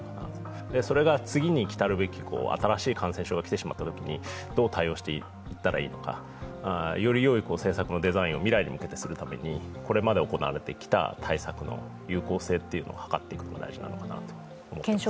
それが次に来たるべき新しい感染症が来たときにどう対応していったらいいのか、よりよい政策のデザインを未来に向けて作るために、ここまで行われた対策の有効性をはかっていく。